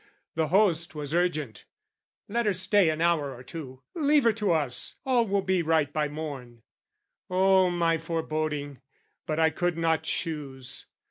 The host Was urgent "Let her stay an hour or two! "Leave her to us, all will be right by morn!" Oh, my foreboding! But I could not choose.